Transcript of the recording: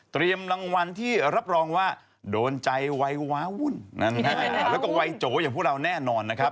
รางวัลที่รับรองว่าโดนใจวัยว้าวุ่นแล้วก็วัยโจอย่างพวกเราแน่นอนนะครับ